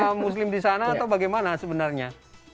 umat muslim di sana atau bagaimana sebenarnya